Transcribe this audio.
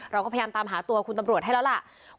เราก็พยายามตามหาตัวคุณตำรวจให้แล้วล่ะ